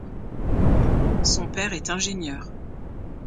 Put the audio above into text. Son père est ingénieur.